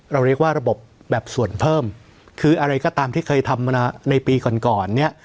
เราเรียกว่าระบบแบบส่วนเพิ่มคืออะไรก็ตามที่เคยทำมาในปีก่อนก่อนเนี่ย